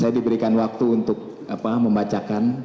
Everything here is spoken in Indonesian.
saya diberikan waktu untuk membacakan